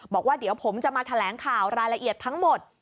บอกว่าเดี๋ยวผมจะมาแถลงข่าวรายละเอียดทั้งหมด